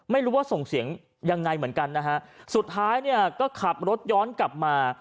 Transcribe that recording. ไม่รู้ว่าส่งเสียงยังไงเหมือนกันนะฮะสุดท้ายเนี่ยก็ขับรถย้อนกลับมา